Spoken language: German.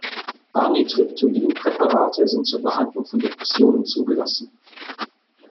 Amitriptylin-Präparate sind zur Behandlung von Depressionen zugelassen.